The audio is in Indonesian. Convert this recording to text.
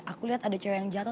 aku lihat ada cewek yang jatuh